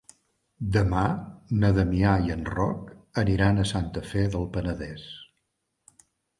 Demà na Damià i en Roc aniran a Santa Fe del Penedès.